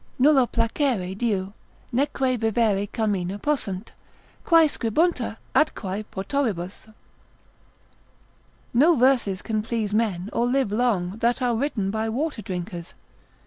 Nulla placere diu, neque vivere carmina possunt, Quae scribuntur atquae potoribus.——— No verses can please men or live long that are written by water drinkers.